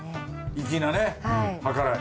粋なね計らい。